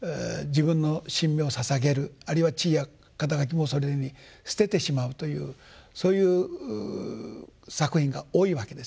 あるいは地位や肩書もそれに捨ててしまうというそういう作品が多いわけですよね。